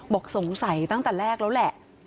บอกสงสัยตั้งแต่แรกแล้วแหละ